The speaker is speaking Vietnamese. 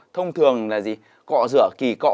thông thường là gì cọ rửa kỳ cọ